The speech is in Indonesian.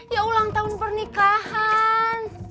ya ulang tahun pernikahan